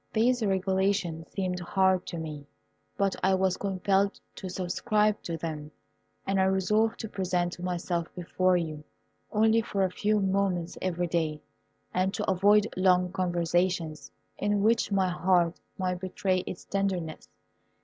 These regulations seemed hard to me, but I was compelled to subscribe to them, and I resolved to present myself before you only for a few moments every day, and to avoid long conversations, in which my heart might betray its tenderness.